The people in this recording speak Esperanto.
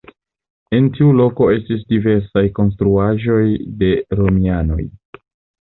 En tiu loko estis diversaj konstruaĵoj de romianoj.